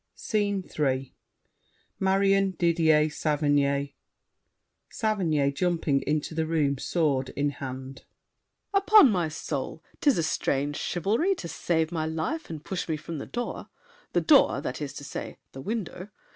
SCENE III Marion, Didier, Saverny SAVERNY (jumping into the room, sword in hand). Upon my soul! 'Tis a strange chivalry To save my life and push me from the door! The door—that is to say, the window!